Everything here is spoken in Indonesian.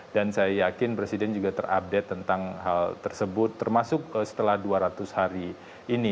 dan saya yakin presiden juga terupdate tentang hal tersebut termasuk setelah dua ratus hari ini